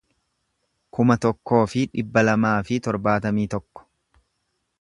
kuma tokkoo fi dhibba lamaa fi torbaatamii tokko